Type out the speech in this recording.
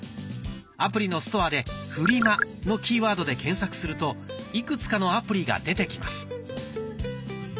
アプリのストアで「フリマ」のキーワードで検索するといくつかのアプリが出てきます。